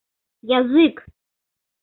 Язык...